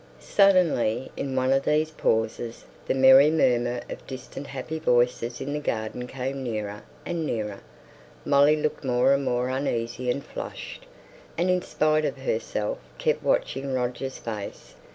Suddenly, in one of these pauses, the merry murmur of distant happy voices in the garden came nearer and nearer; Molly looked more and more uneasy and flushed, and in spite of herself kept watching Roger's face.